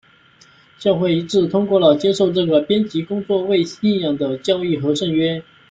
教会一致通过了接受这个编辑工作为信仰的教义和圣约。